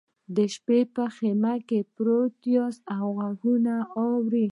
د شپې په خیمه کې پراته یاست او غږونه اورئ